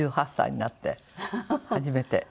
８８歳になって初めて。